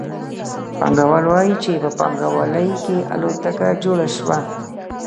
پانګوال وايي چې په پانګوالي کې الوتکه جوړه شوه